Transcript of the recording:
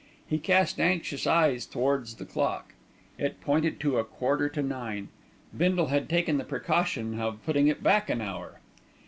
He cast anxious eyes towards the clock. It pointed to a quarter to nine. Bindle had taken the precaution of putting it back an hour.